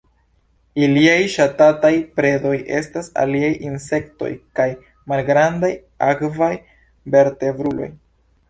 Iliaj ŝatataj predoj estas aliaj insektoj kaj malgrandaj akvaj vertebruloj.